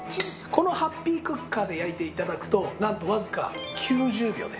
このハッピークッカーで焼いて頂くとなんとわずか９０秒です。